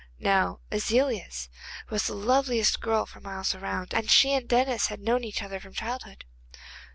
Now Aziliez was the loveliest girl for miles round, and she and Denis had known each other from childhood.